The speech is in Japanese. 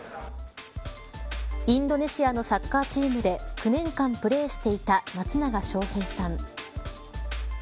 インドネシアのサッカーチームで９年間プレーしていた松永祥兵さん。